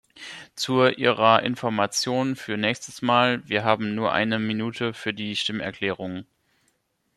Zur Ihrer Information für nächstes Mal, wir haben nur eine Minute für die Stimmerklärungen.